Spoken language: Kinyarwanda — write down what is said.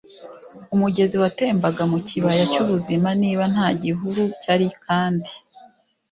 umugezi watembaga mu kibaya cy'ubuzima. niba nta gihuru cyari kandi